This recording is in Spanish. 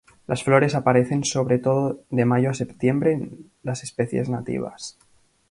Las flores aparecen sobre todo de mayo a septiembre en las especies nativas.